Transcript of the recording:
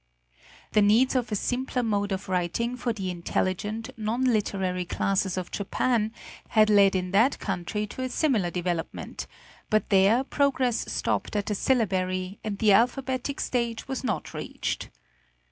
The needs of a simpler mode of writing for the intelligent, non literary classes of Japan, had led in that country to a similar development ; but there progress stopped at a syllabary, and the alphabetic stage was not reached.